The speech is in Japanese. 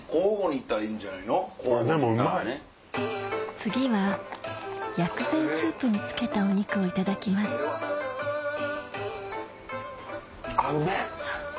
次は薬膳スープにつけたお肉をいただきますあっうめぇ！